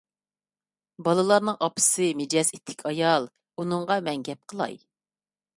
بالىلارنىڭ ئاپىسى مىجەزى ئىتتىك ئايال، ئۇنىڭغا مەن گەپ قىلاي.